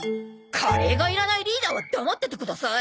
カレーがいらないリーダーは黙っててください。